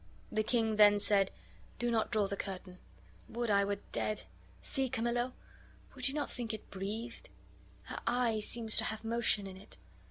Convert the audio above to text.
The king then said: "Do not draw the curtain. Would I were dead! See, Carmillo, would you not think it breathed? Her eye seems to have motion in it."